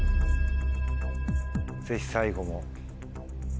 ぜひ最後も。